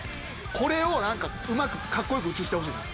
これをうまくカッコよく写してほしいな。